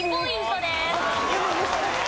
１ポイントです。